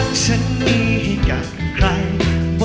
ขอเชิญอาทิตย์สำคัญด้วยค่ะ